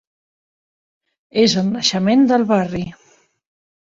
És el naixement del barri.